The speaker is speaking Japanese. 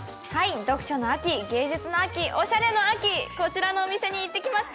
読書の秋、芸術の秋、おしゃれの秋、こちらのお店に行ってきました。